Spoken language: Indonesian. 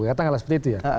katakanlah seperti itu ya